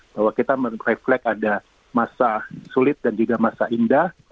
bahwa kita merefleks ada masa sulit dan juga masa indah